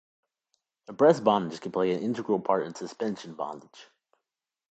Breast bondage can play an integral part in suspension bondage.